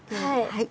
はい。